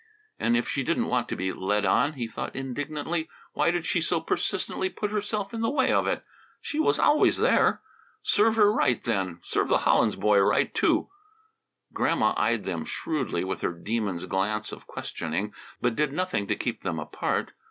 And if she didn't want to be "led on," he thought indignantly, why did she so persistently put herself in the way of it? She was always there! Serve her right, then! Serve the Hollins boy right, too! Grandma eyed them shrewdly with her Demon's glance of questioning, but did nothing to keep them apart.